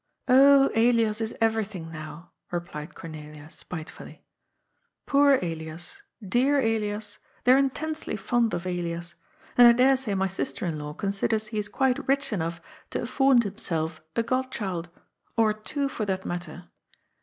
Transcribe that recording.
« Oh, EHas is everything now," replied Cornelia spite fully. " Poor Elias ! Dear Elias ! They are intensely fond of Elias. And I dare say my sister in law considers he is quite rich enough to afford himself a god child — or two, for that matter.